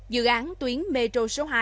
dự án tuyến metro số hai